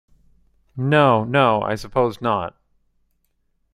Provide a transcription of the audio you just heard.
No, no, I suppose not.